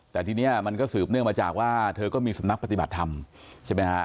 แต่ทีนี้มันก็สืบเนื่องมาจากว่าเธอก็มีสำนักปฏิบัติธรรมใช่ไหมฮะ